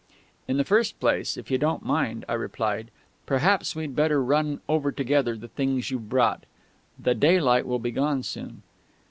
"In the first place, if you don't mind," I replied, "perhaps we'd better run over together the things you've brought. The daylight will be gone soon."